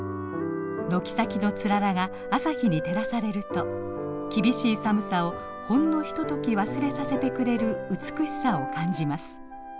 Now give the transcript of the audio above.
軒先のつららが朝日に照らされると厳しい寒さをほんのひととき忘れさせてくれる美しさを感じます。